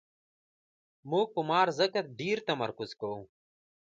موږ په مار ځکه ډېر تمرکز کوو.